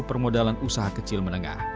permodalan usaha kecil menengah